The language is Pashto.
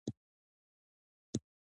د لاسي اوبدلو غالۍ ولې ګرانې دي؟